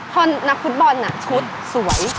คนนักฟุตบอลชุดสวย